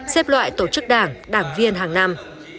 xếp loại tổ chức đảng đảng viên hàng năm